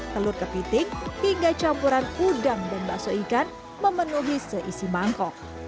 telur kepiting hingga campuran udang dan bakso ikan memenuhi seisi mangkok